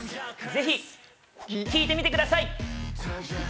◆ぜひ聞いてみてください。